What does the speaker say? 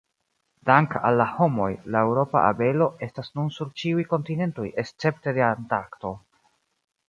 Dank'al la homoj, la eŭropa abelo estas nun sur ĉiuj kontinentoj escepte de Antarkto.